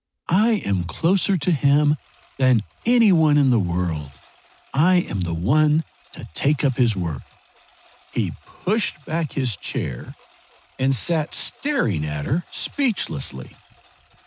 I am closer to him than any one in the world! I am the one to take up his work!" He pushed back his chair and sat staring at her speechlessly.